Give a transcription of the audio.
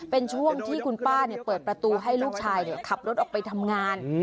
เป็นช่วงที่คุณป้าเปิดประตูให้ลูกชายขับรถออกไปทำงาน